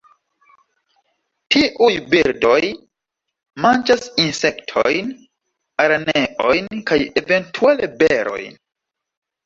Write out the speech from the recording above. Tiuj birdoj manĝas insektojn, araneojn kaj eventuale berojn.